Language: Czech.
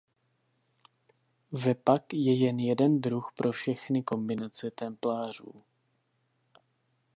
Ve pak je jen jeden druh pro všechny kombinace templářů.